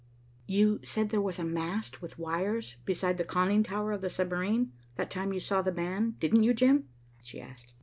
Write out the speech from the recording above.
"You said there was a mast with wires beside the conning tower of the submarine, that time you saw 'the man,' didn't you, Jim?" she asked.